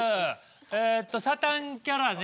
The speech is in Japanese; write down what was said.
えとサタンキャラね。